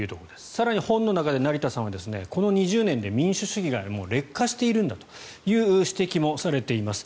更に、本の中で成田さんはこの２０年で民主主義が劣化しているんだという指摘もされています。